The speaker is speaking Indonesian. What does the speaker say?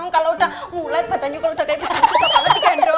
kalau udah mulet badannya kalau udah kayak susah banget digandra